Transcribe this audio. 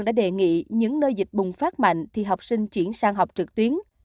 đã đề nghị những nơi dịch bùng phát mạnh thì học sinh chuyển sang học trực tuyến